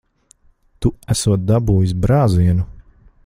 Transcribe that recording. Tu esot dabūjis brāzienu.